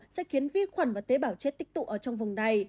sẽ khiến vi khuẩn và tế bào chết tích tụ ở trong vùng này